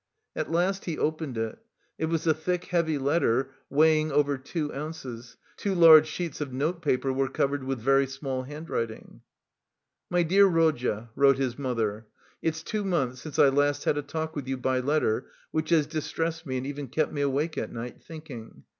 At last he opened it; it was a thick heavy letter, weighing over two ounces, two large sheets of note paper were covered with very small handwriting. "My dear Rodya," wrote his mother "it's two months since I last had a talk with you by letter which has distressed me and even kept me awake at night, thinking.